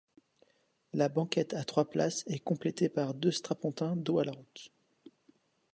La banquette à trois places est complétée par deux strapontins dos à la route.